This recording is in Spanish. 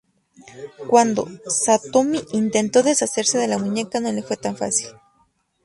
Cuando Satomi intentó deshacerse de la muñeca no le fue tan fácil.